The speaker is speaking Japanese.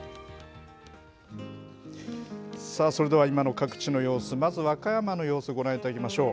さあそれでは今の各地の様子、まず和歌山の様子、ご覧いただきましょう。